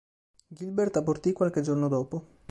Gilbert abortì qualche giorno dopo.